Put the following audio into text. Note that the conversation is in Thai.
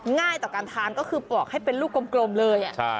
ง่ายต่อการทานก็คือปอกให้เป็นลูกกลมเลย